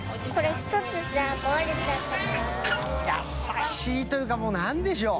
優しいというかもう何でしょう？